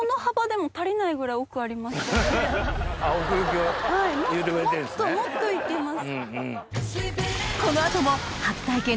もっともっと行ってます。